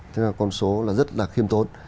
thế là con số là rất là khiêm tốn